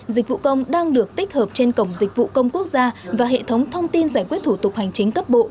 dịch vụ công đang được tích hợp trên cổng dịch vụ công quốc gia và hệ thống thông tin giải quyết thủ tục hành chính cấp bộ